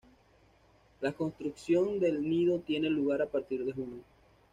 La construcción del nido tiene lugar a partir de junio.